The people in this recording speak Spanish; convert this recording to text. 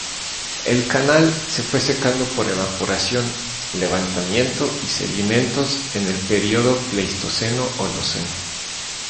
El canal se fue secando por evaporación, levantamiento y sedimentos en el período Pleistoceno-Holoceno.